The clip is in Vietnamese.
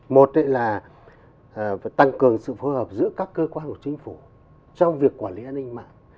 một là tăng cường sự phù hợp giữa các cơ quan của chính phủ trong việc quản lý an ninh mạng